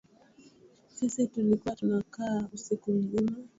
Sisi tulikuwa tunakaa usiku mzima